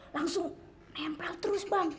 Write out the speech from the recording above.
langsung nempel terus bang